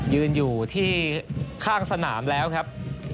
ยืนอยู่ที่ข้างสนามแล้วครับ